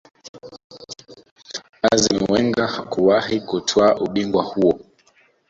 Arsene Wenger hakuwahi kutwaa ubingwa huo